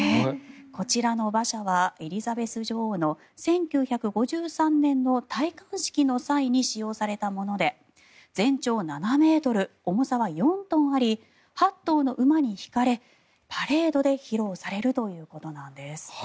こちらの馬車はエリザベス女王の１９５３年の戴冠式の際に使用されたもので全長７ｍ、重さは４トンあり８頭の馬に引かれ、パレードで披露されるということなんです。